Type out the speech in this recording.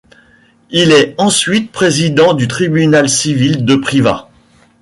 Il est ensuite président du tribunal civil de Privas.